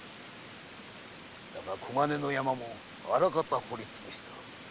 だが黄金の山もあらかた掘り尽くした。